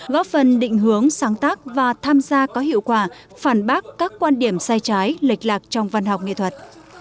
góp phần định hướng sáng tác và tham gia có hiệu quả phản bác các quan điểm sai trái lịch lạc trong văn học nghệ thuật